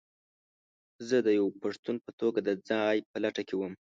زه د یوه پښتون په توګه د ځاى په لټه کې وم.